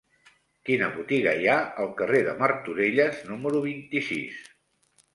Quina botiga hi ha al carrer de Martorelles número vint-i-sis?